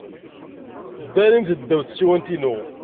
Ddarimt-d ddaw tsiwant-inu.